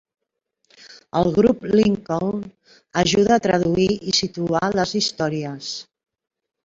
El Grup Lincoln ajuda a traduir i situar les històries.